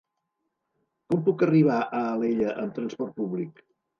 Com puc arribar a Alella amb trasport públic?